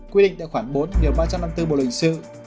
quyết định tại khoảng bốn ba trăm năm mươi bốn bộ luyện sự